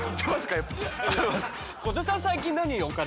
やっぱり。